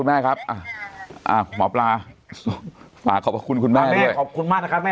ได้ครับเดี๋ยวมาปลาฝากขอบคุณคุณแม่โอเคคุณมากคนน่ะแม่